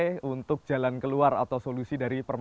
jadi bisa dicapai untuk jalan keluar atau solusi dari permukaan